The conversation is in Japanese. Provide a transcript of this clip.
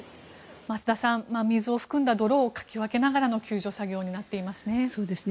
増田さん水を含んだ泥をかき分けながらの救助作業になっていますね。